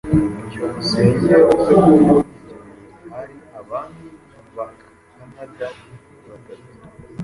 Byukusenge yavuze ko muri ibyo birori hari abandi Baakanada batatu.